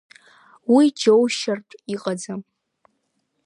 Уи џьоушьартә иҟаӡам.